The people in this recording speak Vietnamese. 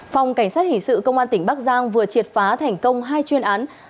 phòng cảnh sát hình sự công an tỉnh bắc giang vừa triệt phá thành công hai chuyên án